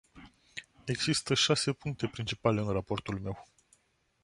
Există șase puncte principale în raportul meu.